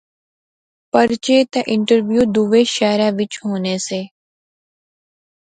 پرچہ تے انٹرویو دووے شہرے وچ ہونے سے